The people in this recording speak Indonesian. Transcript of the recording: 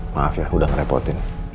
maaf ya udah ngerepotin